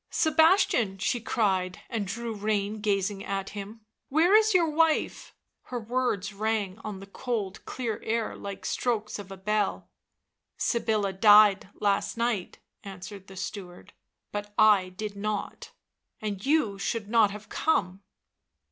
" Sebastian," she cried, and drew rein gazing at him, " where is your wife ?" Her words rang on the cold, clear air like strokes of a bell. " Sybilla died last night," answered the steward, " but I did nought. And you should not have come."